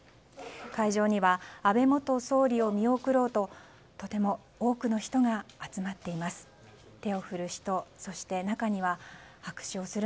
会場には安倍元総理を見送ろうととても多くの人が集まっています。